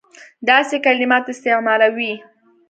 داسي کلمات استعمالوي.